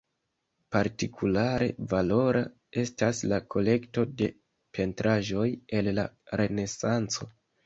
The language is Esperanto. Partikulare valora, estas la kolekto de pentraĵoj el la Renesanco.